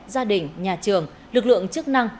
gia đình nhà trường lực lượng chức năng